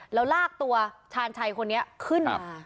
แล้วลากตัวชาญชัยคนนี้ขึ้นมา